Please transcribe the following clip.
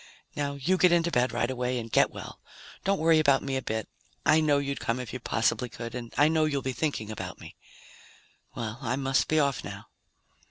Now you get into bed right away and get well. Don't worry about me a bit. I know you'd come if you possibly could. And I know you'll be thinking about me. Well, I must be off now."